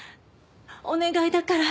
お願いだから。